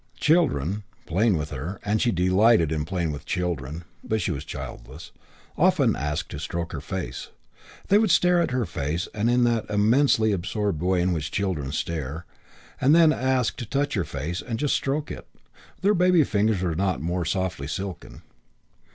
Children, playing with her, and she delighted in playing with children (but she was childless), often asked to stroke her face. They would stare at her face in that immensely absorbed way in which children stare, and then ask to touch her face and just stroke it; their baby fingers were not more softly silken.